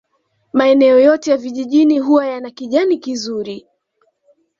Maeneo yote ya vijijini huwa yana kijani kizuri